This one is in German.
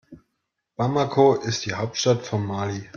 Bamako ist die Hauptstadt von Mali.